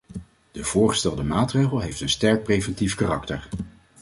De voorgestelde maatregel heeft een sterk preventief karakter.